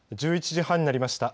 １１時半になりました。